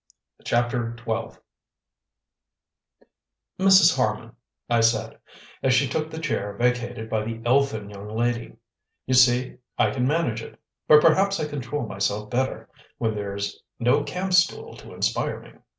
CHAPTER XII "Mrs. Harman," I said, as she took the chair vacated by the elfin young lady, "you see I can manage it! But perhaps I control myself better when there's no camp stool to inspire me.